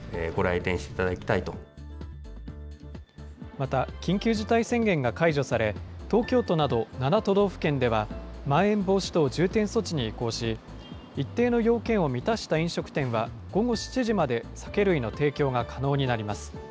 また、緊急事態宣言が解除され、東京都など７都道府県ではまん延防止等重点措置に移行し、一定の要件を満たした飲食店は、午後７時まで酒類の提供が可能になります。